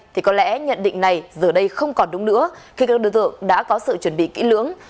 thì có lẽ nhận định này giờ đây không còn đúng nữa khi các đối tượng đã có sự chuẩn bị kỹ lưỡng